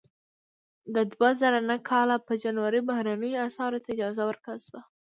د دوه زره نهه کال په جنوري کې بهرنیو اسعارو ته اجازه ورکړل شوه.